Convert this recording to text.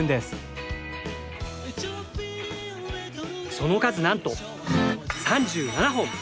その数なんと３７本！